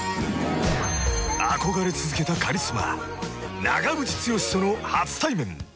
［憧れ続けたカリスマ長渕剛との初対面］